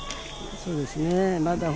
そうですね。